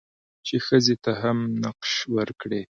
چې ښځې ته مهم نقش ورکړي؛